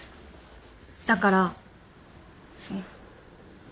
だからその。